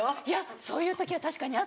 そういう時は確かに。